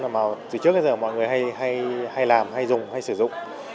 mà từ trước đến giờ mọi người hay làm hay dùng hay sử dụng